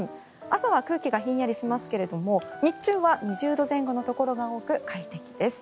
朝は空気がひんやりしますが日中は２０度前後のところが多く快適です。